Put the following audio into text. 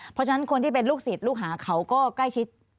เพราะฉะนั้นคนที่เป็นลูกศิษย์ลูกหาเขาก็ใกล้ชิด